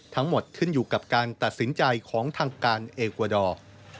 ทั้งหมดขึ้นอยู่กับการตัดสินใจของทางการเอกวาดอร์